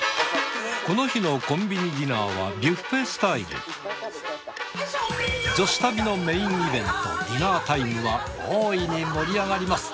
この日のコンビニディナーは女子旅のメインイベントディナータイムは大いに盛り上がります。